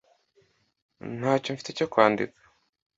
Ntacyo mfite cyo kwandika.